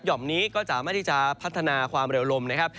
่อมนี้ก็สามารถที่จะพัฒนาความเร็วลมนะครับ